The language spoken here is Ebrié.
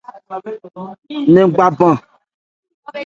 Nɛ́n gba bɛn.